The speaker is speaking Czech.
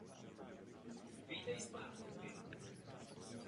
Zlom nastal po druhé světové válce.